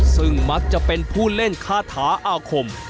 ซึ่งมักจะเป็นผู้เล่นคาถาอาคม